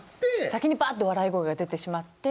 先にバッて笑い声が出てしまって。